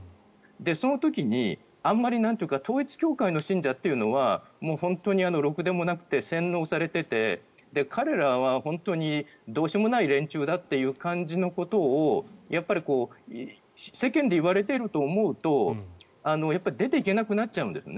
その時にあんまり統一教会の信者というのは本当にろくでもなくて洗脳されてて彼らは本当にどうしようもない連中だという感じのことを世間で言われていると思うと出ていけなくなっちゃうんです。